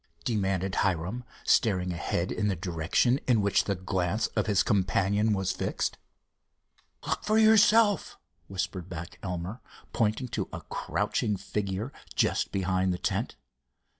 demanded Hiram, staring ahead in the direction in which the glance of his companion was fixed. "Look for yourself," whispered back Elmer, pointing to a crouching figure just behind the tent.